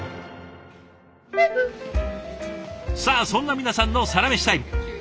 さあそんな皆さんのサラメシタイム。